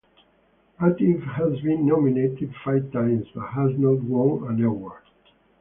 Atif has been nominated five times but has not won an award.